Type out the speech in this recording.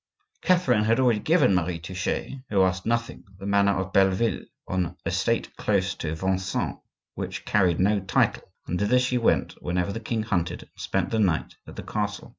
Catherine had already given Marie Touchet, who asked nothing, the manor of Belleville, an estate close to Vincennes which carried no title; and thither she went whenever the king hunted and spent the night at the castle.